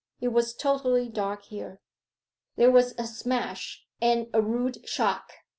It was totally dark here. There was a smash; and a rude shock.